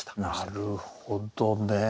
なるほどね。